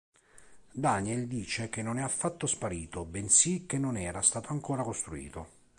Daniel dice che non è affatto sparito bensì che non era stato ancora costruito.